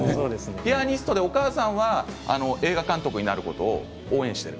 ピアニストでお母さんは映画監督になることを応援しています。